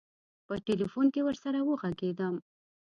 په تیلفون کې ورسره وږغېدم.